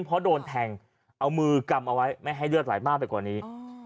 เพราะโดนแทงเอามือกำเอาไว้ไม่ให้เลือดไหลมากไปกว่านี้